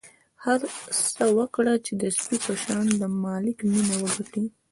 خر هڅه وکړه چې د سپي په شان د مالک مینه وګټي.